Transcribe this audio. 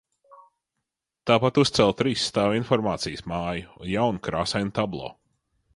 Tāpat uzcēla trīsstāvu informācijas māju un jaunu krāsainu tablo.